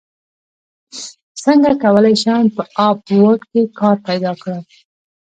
څنګه کولی شم په اپ ورک کې کار پیدا کړم